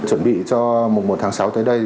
chuẩn bị cho mùa một tháng sáu tới đây